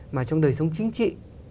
mà trong đời sống chính trị